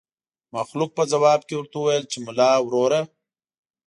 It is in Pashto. مخلوق په ځواب کې ورته وويل چې ملا وروره.